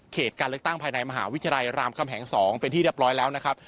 การเลือกตั้งภายในมหาวิทยาลัยรามคำแหง๒เป็นที่เรียบร้อยแล้วนะครับ